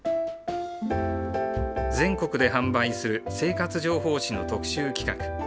全国で販売する生活情報誌の特集企画。